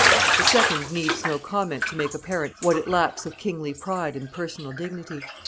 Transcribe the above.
The second needs no comment to make apparent what it lacks of kingly pride and personal dignity.